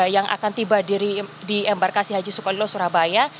yang akan tiba di embarkasi haji sukolilo surabaya